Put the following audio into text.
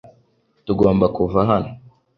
Tugomba kuva hano .